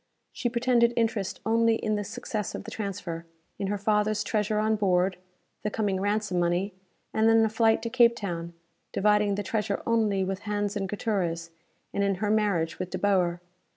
She pretended interest only in the success of the transfer; in her father's treasure on board, the coming ransom money, and then a flight to Cape Town, dividing the treasure only with Hans and Gutierrez; and in her marriage with De Boer.